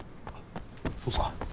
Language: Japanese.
そうですか。